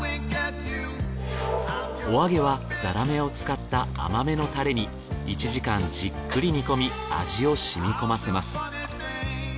お揚げはザラメを使った甘めのタレに１時間じっくり煮込み味を染み込ませます。